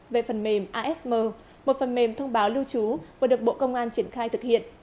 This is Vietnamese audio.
về phần mềm asm một phần mềm thông báo lưu trú vừa được bộ công an triển khai thực hiện